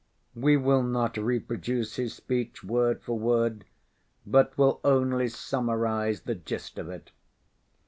We will not reproduce his speech word for word, but will only summarize the gist of it.